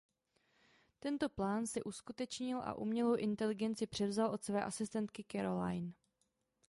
Tento plán se uskutečnil a umělou inteligenci převzal od své asistentky Caroline.